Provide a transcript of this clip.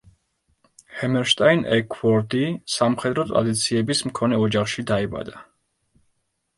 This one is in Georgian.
ჰამერშტაინ-ექუორდი სამხედრო ტრადიციების მქონე ოჯახში დაიბადა.